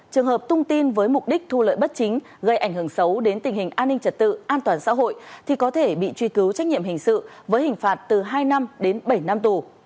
trường hợp tung tin với mục đích thu lợi bất chính gây ảnh hưởng xấu đến tình hình an ninh trật tự an toàn xã hội thì có thể bị truy cứu trách nhiệm hình sự với hình phạt từ hai năm đến bảy năm tù